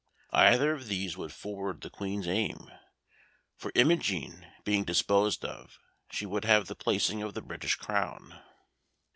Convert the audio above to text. Either of these would forward the Queen's aim, for Imogen being disposed of, she would have the placing of the British crown.